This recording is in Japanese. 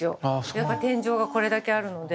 やっぱ天井がこれだけあるので。